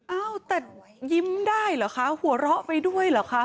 อ้าวแต่ยิ้มได้เหรอคะหัวเราะไปด้วยเหรอคะ